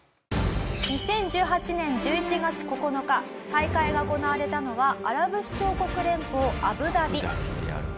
２０１８年１１月９日大会が行われたのはアラブ首長国連邦アブダビ。